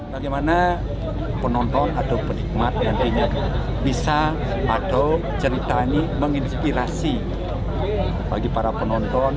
bagaimana penonton atau penikmat nantinya bisa atau cerita ini menginspirasi bagi para penonton